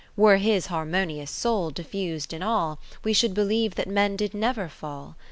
Were his harmonious soul diffus'd in all, We should believe that men did never fall.